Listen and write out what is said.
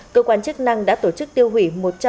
cơ quan chức năng đã tổ chức tiêu hủy